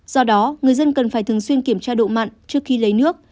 do đó người dân cần phải thường xuyên kiểm tra độ mặn trước khi lấy nước